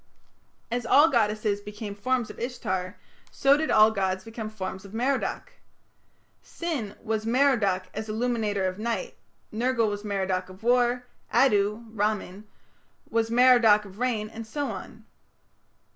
As all goddesses became forms of Ishtar, so did all gods become forms of Merodach. Sin was "Merodach as illuminator of night", Nergal was "Merodach of war", Addu (Ramman) was "Merodach of rain", and so on.